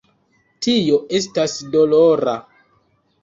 Tio estas dolora.